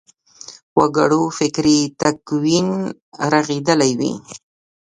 وګړو فکري تکوین رغېدلی وي.